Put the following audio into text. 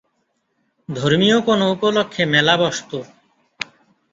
ধর্মীয় কোনো উপলক্ষে মেলা বসত।